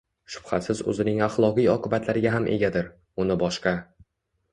shubhasiz o‘zining axloqiy oqibatlariga ham egadir: uni boshqa